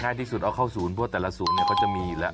ง่ายที่สุดเอาเข้าศูนย์พวกแต่ละศูนย์เค้าจะมีล่ะ